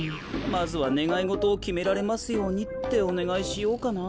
まずは「ねがいごとをきめられますように」っておねがいしようかな。